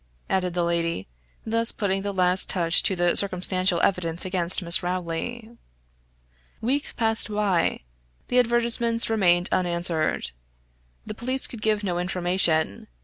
added the lady, thus putting the last touch to the circumstantial evidence against Miss Rowley. Weeks passed by. The advertisements remained unanswered. The police could give no information.